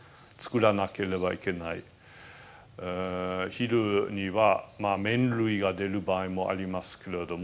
昼にはまあ麺類が出る場合もありますけれども。